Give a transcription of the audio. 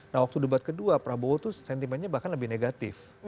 nah waktu debat kedua prabowo itu sentimennya bahkan lebih negatif